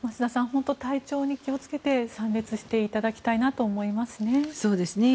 本当に体調に気をつけて参列していただきたいなと思いますね。